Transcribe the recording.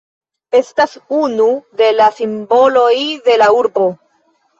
Estas unu de la simboloj de la urbo.